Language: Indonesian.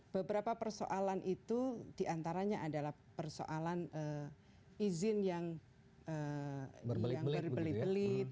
beberapa persoalan itu diantaranya adalah persoalan izin yang berbelit belit